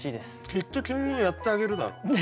きっと君もやってあげるだろう。